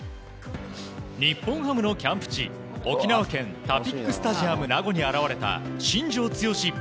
日本ハムのキャンプ地、沖縄県タピックスタジアム名護に現れた新庄剛志